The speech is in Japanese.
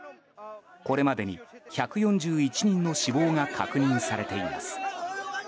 これまでに、１４１人の死亡が確認されています。